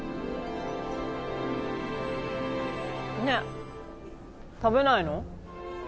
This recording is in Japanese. ねえ食べないの？